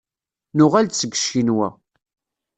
Nuɣal-d seg Ccinwa.